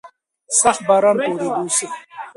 سخت باران په ورېدو شو.